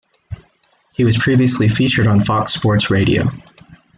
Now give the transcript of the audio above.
He was previously featured on Fox Sports Radio.